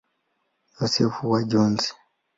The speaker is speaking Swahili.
Yosefu wa Njozi.